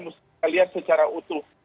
mesti kalian secara utuh